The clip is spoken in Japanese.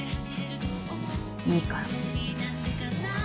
いいから。